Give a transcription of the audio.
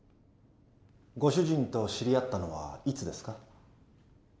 ご主人と知り合ったのはいつですか？